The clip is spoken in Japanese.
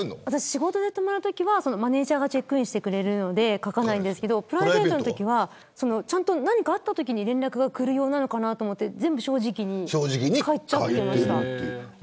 仕事で泊まるときはマネジャーがチェックインしてくれるので書かないんですけどプライベートのときは何かあったときに連絡がくる用なのかなと思って正直に書いちゃってました。